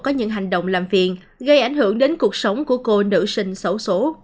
có những hành động làm phiền gây ảnh hưởng đến cuộc sống của cô nữ sinh xấu số